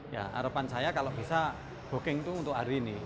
ya harapan saya kalau bisa booking itu untuk hari ini